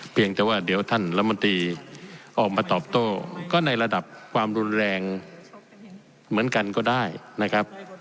เพียงแต่ว่าเดี๋ยวท่านรัฐมนตรีออกมาตอบโต้ก็ในระดับความรุนแรงเหมือนกันก็ได้นะครับ